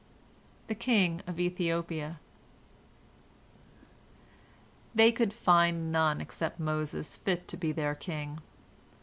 THE KING OF ETHIOPIA They could find none except Moses fit to be their king.